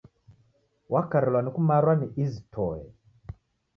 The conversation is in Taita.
Wakarilwa na kumarwa ni izi toe.